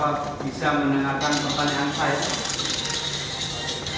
bagaimana bisa menenangkan tempat yang baik